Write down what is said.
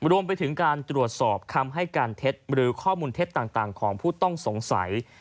รวมไปถึงการตรวจสอบคำให้การเท็จหรือข้อมูลเท็จต่างของผู้ต้องสงสัย